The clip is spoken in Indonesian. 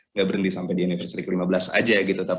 nggak berhenti sampai di anniversary ke lima belas saja